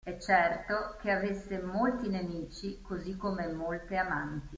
È certo che avesse molti nemici così come molte amanti.